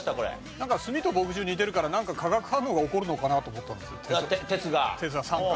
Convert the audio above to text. なんか炭と墨汁似てるからなんか化学反応が起こるのかなと思ったんですよ。